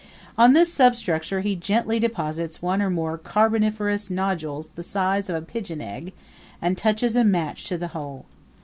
On this substructure he gently deposits one or more carboniferous nodules the size of a pigeon egg, and touches a match to the whole.